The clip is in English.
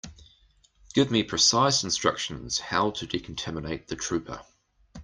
Give me precise instructions how to decontaminate the trooper.